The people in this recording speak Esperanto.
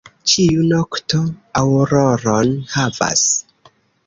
Ĉiu nokto aŭroron havas.